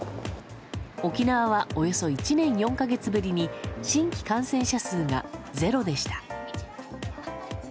沖縄はおよそ１年４か月ぶりに新規感染者数がゼロでした。